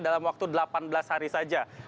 dalam waktu delapan belas hari saja